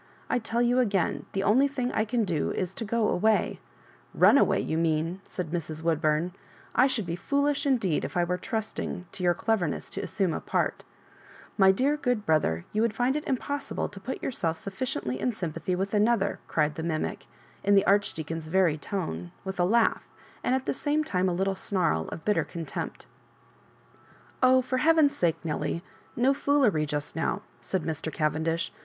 I tell you agam, the only thing I can do is to go away "" Run away, you mean," said Mrs. "Woodbum. "I should be foolish, indeed, if I were trusting to your cleverness to assume a part My dear good brother, you would find it impossible to put your Digitized by VjOOQIC 68 loss KABJOBIBANKa self suiBdenUym sympatb/ with abother,*' cried the mimic, in the Archdeacon's very tone, with a laugh, and at the same time a little snarl of bicter contempt "Oh, for heaven's sake^ Nelly, no foolery just now," said Mr. Cavendish.